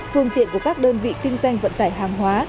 phương tiện của các đơn vị kinh doanh vận tải hàng hóa